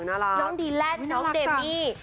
น้องดีแลนด์น้องเดมี่